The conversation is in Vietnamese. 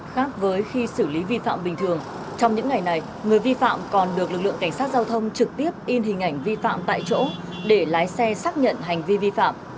khác với khi xử lý vi phạm bình thường trong những ngày này người vi phạm còn được lực lượng cảnh sát giao thông trực tiếp in hình ảnh vi phạm tại chỗ để lái xe xác nhận hành vi vi phạm